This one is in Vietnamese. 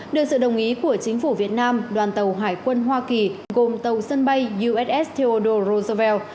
được sự đồng ý của chính phủ việt nam đoàn tàu hải quân hoa kỳ gồm tàu sân bay uss todo rosavel